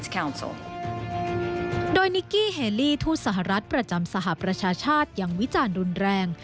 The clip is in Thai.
โดยนิกกี้เฮลี่ทูตสหรัฐประจำสหประชาชาติยังวิจารณ์รุนแรง